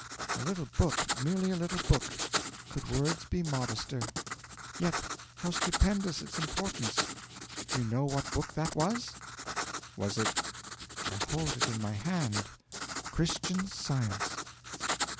'A little book, merely a little book could words be modester? Yet how stupendous its importance! Do you know what book that was?' 'Was it ' 'I hold it in my hand "Christian Science"!'